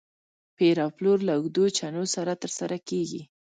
پلور او پېر له اوږدو چنو سره تر سره کېږي.